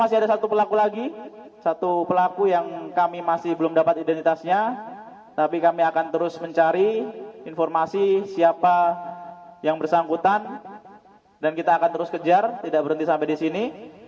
masih ada satu pelaku lagi satu pelaku yang kami masih belum dapat identitasnya tapi kami akan terus mencari informasi siapa yang bersangkutan dan kita akan terus kejar tidak berhenti sampai di sini